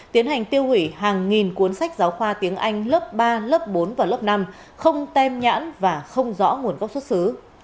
tiến hành tiêu hủy hàng nghìn cuốn sách giáo khoa tiếng anh lớp ba lớp bốn và lớp năm không tem nhãn và không rõ nguồn gốc xuất xứ